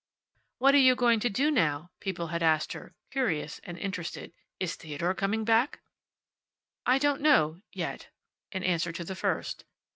"What are you going to do now?" people had asked her, curious and interested. "Is Theodore coming back?" "I don't know yet." In answer to the first.